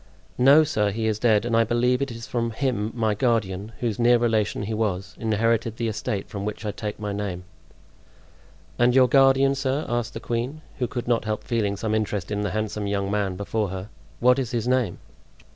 "No, sir, he is dead; and I believe it is from him my guardian, whose near relation he was, inherited the estate from which I take my name." "And your guardian, sir," asked the queen, who could not help feeling some interest in the handsome young man before her, "what is his name?"